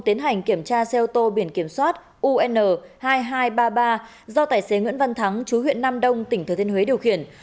tiến hành kiểm tra xe ô tô biển kiểm soát un hai nghìn hai trăm ba mươi ba do tài xế nguyễn văn thắng chú huyện nam đông tỉnh thừa thiên huế điều khiển